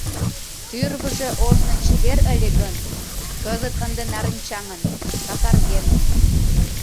Тӱрвыжӧ ожно чевер ыле гын, кызыт ынде нарынчаҥын, какарген.